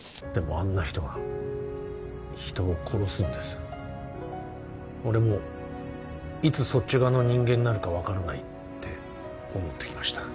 あんな人が人を殺すんです俺もいつそっち側の人間になるか分からないって思ってきました